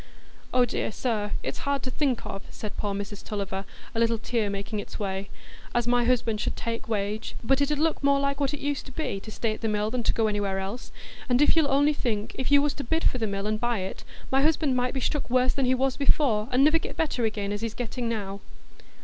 "Oh dear, sir, it's hard to think of," said poor Mrs Tulliver, a little tear making its way, "as my husband should take wage. But it 'ud look more like what used to be, to stay at the mill than to go anywhere else; and if you'll only think—if you was to bid for the mill and buy it, my husband might be struck worse than he was before, and niver get better again as he's getting now."